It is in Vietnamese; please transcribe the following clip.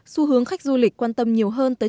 xu hướng khách du lịch quan tâm nhiều hơn tới chất lượng